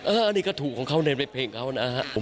อ่านี่ก็ถูกของเขาเล่นในเพลงเขานะฮะ